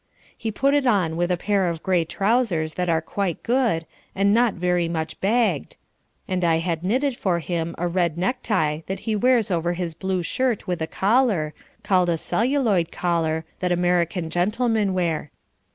He put it on with a pair of gray trousers that are quite good, and not very much bagged, and I had knitted for him a red necktie that he wears over his blue shirt with a collar, called a celluloid collar, that American gentlemen wear.